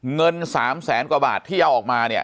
เงิน๓แสนกว่าบาทที่เอาออกมาเนี่ย